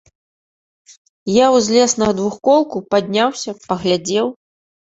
Я ўзлез на двухколку, падняўся, паглядзеў.